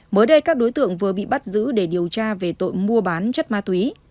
mới đây các đối tượng vừa bị bắt giữ để điều tra về tội mua bán chất ma túy